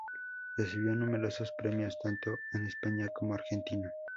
Recibió numerosos premios tanto en España como Argentina.